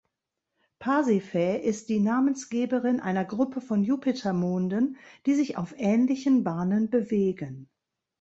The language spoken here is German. Pasiphae ist die Namensgeberin einer Gruppe von Jupitermonden, die sich auf ähnlichen Bahnen bewegen.